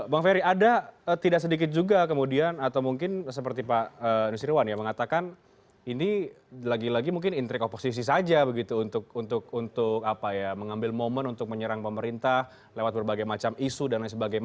bang ferry ada tidak sedikit juga kemudian atau mungkin seperti pak nusirwan ya mengatakan ini lagi lagi mungkin intrik oposisi saja begitu untuk mengambil momen untuk menyerang pemerintah lewat berbagai macam isu dan lain sebagainya